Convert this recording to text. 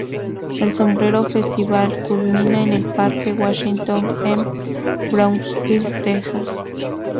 El Sombrero Festival culmina en el Parque Washington en Brownsville, Texas.